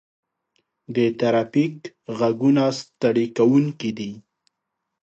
د ترافیک غږونه ستړي کوونکي دي.